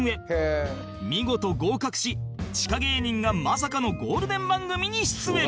見事合格し地下芸人がまさかのゴールデン番組に出演